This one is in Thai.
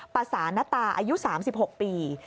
ประสานตาอายุ๓๖ปี